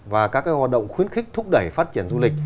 và các hoạt động khuyến khích thúc đẩy phát triển du lịch